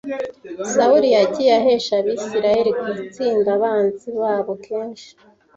Sawuli yagiye ahesha Abisirayeli gutsinda abanzi babo kenshi